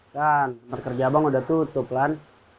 kan kamar kerja bang udah tutup lan